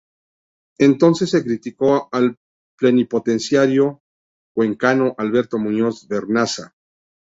Entonces se criticó al plenipotenciario cuencano Alberto Muñoz Vernaza.